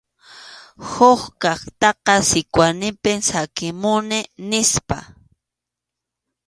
Huk kaqtaqa Sikwanipim saqimuni nispa.